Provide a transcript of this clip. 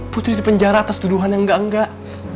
putri dipenjara atas tuduhan yang enggak enggak